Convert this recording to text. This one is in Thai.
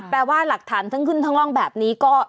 ว่าหลักฐานทั้งขึ้นทั้งร่องแบบนี้ก็